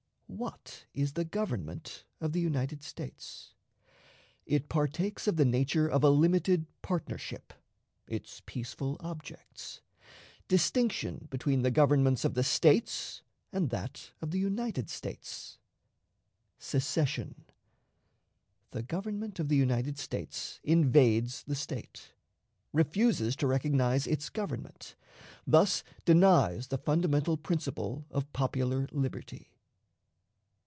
What is the Government of the United States? It partakes of the Nature of a Limited Partnership; its Peaceful Objects. Distinction between the Governments of the States and that of the United States. Secession. The Government of the United States invades the State; refuses to recognize its Government; thus denies the Fundamental Principle of Popular Liberty.